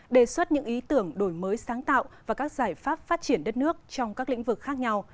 đề xuất những ý tưởng đổi mới sáng tạo và các giải pháp phát triển đất nước trong các lĩnh vực khác nhau